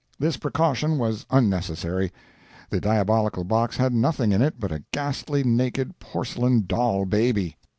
This precaution was unnecessary. The diabolical box had nothing in it but a ghastly, naked, porcelain doll baby.